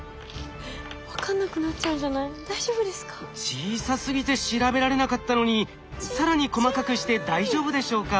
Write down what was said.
小さすぎて調べられなかったのに更に細かくして大丈夫でしょうか？